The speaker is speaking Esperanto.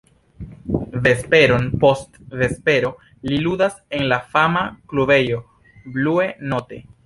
Vesperon post vespero li ludas en la fama klubejo "Blue Note".